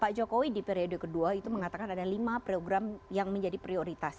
pak jokowi di periode kedua itu mengatakan ada lima program yang menjadi prioritas